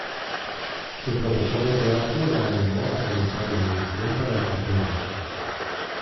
Su profesor de teatro la animó a realizar la audición para el papel.